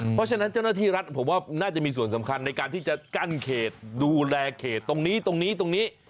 เพราะฉะนั้นเจ้าหน้าที่รัฐผมว่าน่าจะมีส่วนสำคัญในการที่จะกั้นเขตดูแลเขตตรงนี้ตรงนี้ตรงนี้